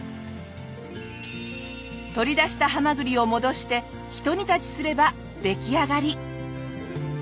取り出したハマグリを戻して一煮立ちすれば出来上がり！